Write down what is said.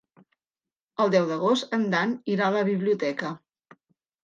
El deu d'agost en Dan irà a la biblioteca.